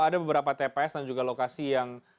ada beberapa tps dan juga lokasi yang